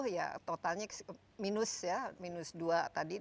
ya totalnya minus ya minus dua tadi